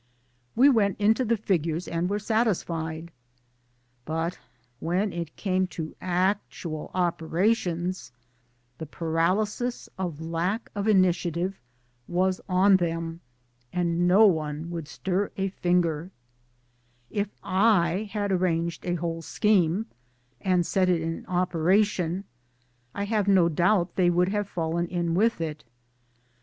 iWe went into the figures and were satisfied. But when it came to actual operations the paralysis of lack of initiative was on them, and no one would stir a finger I If / had arranged a whole scheme and set it in operation I have no doubt they would have fallen in with it.